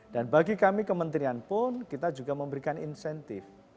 dan bagi kami kementerian pun kita juga memberikan insentif